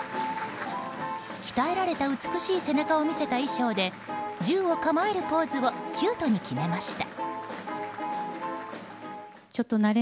鍛えられた美しい背中を見せた衣装で銃を構えるポーズをキュートに決めました。